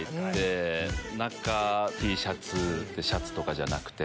中はＴシャツシャツとかじゃなくて。